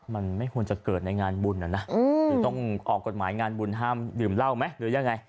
มันไม่ควรจะเกิดในงานบุญนะหรือต้องออกกฎหมายงานบุญห้ามดื่มเหล้าไหมหรือยังไง